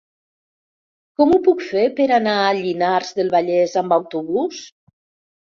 Com ho puc fer per anar a Llinars del Vallès amb autobús?